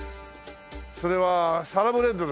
それはサラブレッドですか？